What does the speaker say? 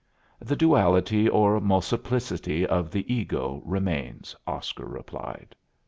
"The duality, or multiplicity of the ego remains," Oscar replied.